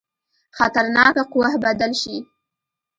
خطرناکه قوه بدل شي.